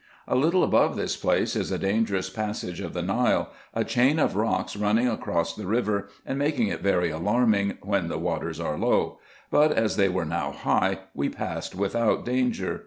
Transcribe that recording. A little above this place is a dangerous passage of the Nile, a chain of rocks running across the river, and making it very alarming, when the waters are low ; but as they were now high, we passed without danger.